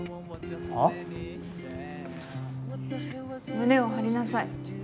胸を張りなさい。